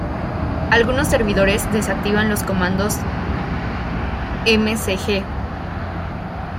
Algunos servidores desactivan los comandos msg.